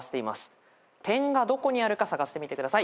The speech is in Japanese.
点がどこにあるか探してみてください。